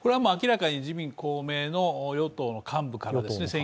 明らかに自民・公明の与党幹部からですね。